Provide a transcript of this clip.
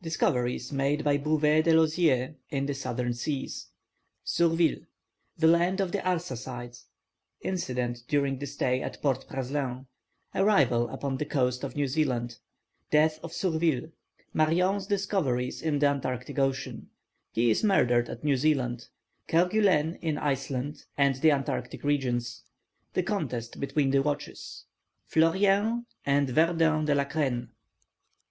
Discoveries made by Bouvet de Lozier in the Southern Seas Surville The land of the Arsacides Incident during the stay at Port Praslin Arrival upon the coast of New Zealand Death of Surville Marion's discoveries in the Antarctic Ocean He is murdered at New Zealand Kerguelen in Iceland and the Antarctic regions The contest between the watches Fleurien and Verdun de la Crenne.